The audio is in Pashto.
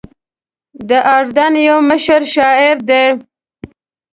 د اردن یو مشهور شاعر دی.